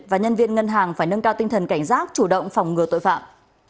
và nhân viên ngân hàng phải nâng cao tinh thần cảnh giác chủ động phòng ngừa tội phạm